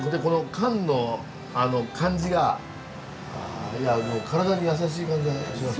燗の感じが体にやさしい感じがします。